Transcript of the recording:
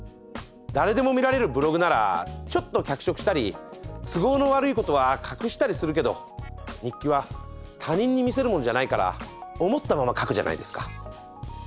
誰でも見られるブログならちょっと脚色したり都合の悪いことは隠したりするけど日記は他人に見せるものじゃないから思ったまま書くじゃないですか。